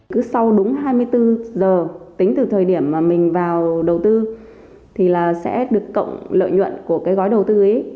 cứ sau đúng hai mươi bốn giờ tính từ thời điểm mà mình vào đầu tư thì là sẽ được cộng lợi nhuận của cái gói đầu tư ấy